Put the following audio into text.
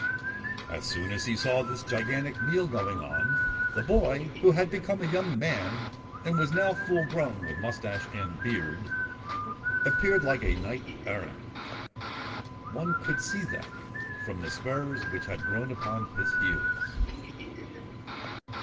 As soon as he saw this gigantic meal going on, the boy, who had become a young man and was now full grown with moustache and beard, appeared like a knight errant. One could see that, from the spurs which had grown upon his heels.